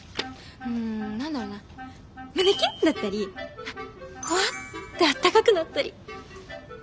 ん何だろうな胸キュンだったりあっほわってあったかくなったり。